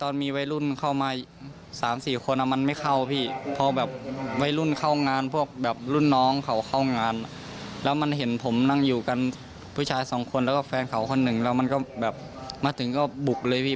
ในขณะที่แฟนสาวคนเจ็บ